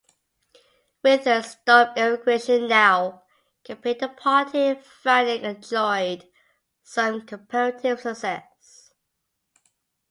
With a "Stop Immigration Now" campaign the party finally enjoyed some comparative success.